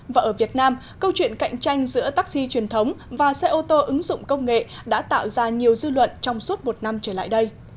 và ở việt nam câu chuyện cạnh tranh giữa taxi truyền thống và xe ô tô ứng dụng công nghệ đã tạo ra nhiều dư luận trong suốt một năm trở lại đây